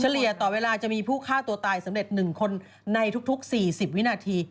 เลี่ยต่อเวลาจะมีผู้ฆ่าตัวตายสำเร็จ๑คนในทุก๔๐วินาที